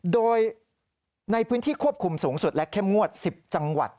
โดยในพื้นที่ควบคุมสูงสุดและเข้มงวด๑๐จังหวัด